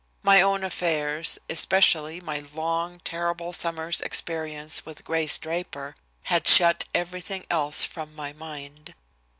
My own affairs, especially my long, terrible summer's experience with Grace Draper, had shut everything else from my mind.